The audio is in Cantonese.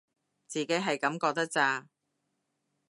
我自己係噉覺得咋